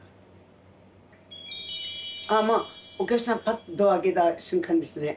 まあお客さんぱってドア開けた瞬間ですね。